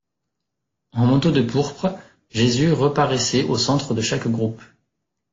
En manteau de pourpre, Jésus reparaissait au centre de chaque groupe.